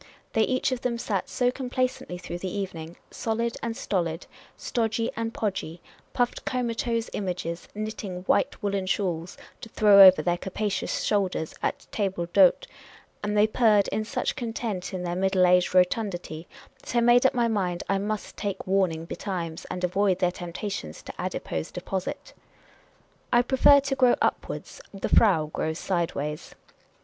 They each of them sat so complacently through the evening — solid and stolid, stodgy and podgy, stuffed comatose images, knitting white woollen shawls, to throw over their capacious shoulders at tablc d' hotc — and they purred in such content in their middle aged rotundity that I made up my mind I must take warn ing betimes, and avoid their temptations to adipose deposit. I prefer to grow upwards ; the frau grows sideways.